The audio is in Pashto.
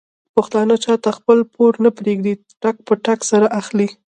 پښتانه چاته خپل پور نه پرېږدي ټک په ټک سره اخلي.